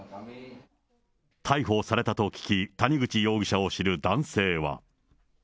逮捕されたと聞き、谷口容疑者を知る男性は。